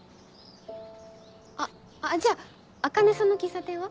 あっじゃあ茜さんの喫茶店は？